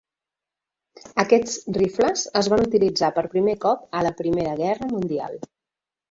Aquests rifles es van utilitzar per primer cop a la Primera Guerra Mundial.